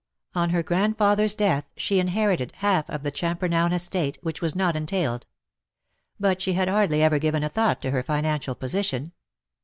On her grandfather's death she inherited half of the Champernowne estate, which was not entailed. But she had hardly ever given a thought to her financial position.